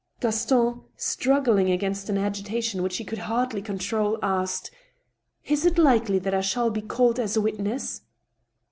Gaston, struggling against an agitation which he could hardly control, asked :*• Is it likely that I shall be called as a witness